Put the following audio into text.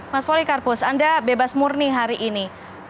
mas polikarpus anda bebas murni hari ini